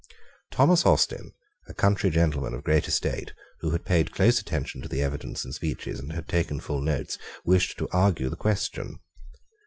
Thomas Austin, a country gentleman of great estate, who had paid close attention to the evidence and speeches, and had taken full notes, wished to argue the question.